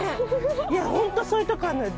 いや本当そういうとこあるのよ。